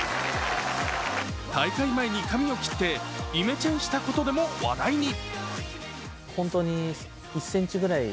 大会前に髪を切ってイメチェンしたことでも話題に。